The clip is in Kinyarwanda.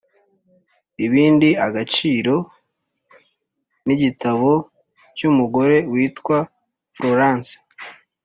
ibindi agaciro, ni igitabo cy'umugore witwa florence